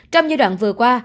trong giai đoạn vừa qua